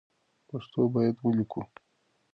پښتو باید ولیکو